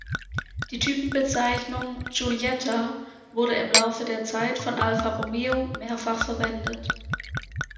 Die Typenbezeichnung „Giulietta“ wurde im Laufe der Zeit von Alfa Romeo mehrfach verwendet.